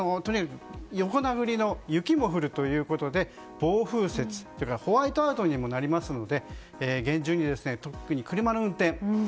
横殴りの雪も降るということで暴風雪、それからホワイトアウトになりますので厳重に、特に車の運転